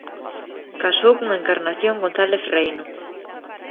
Casou con Encarnación González Reino.